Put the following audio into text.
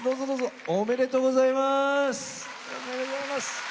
おめでとうございます！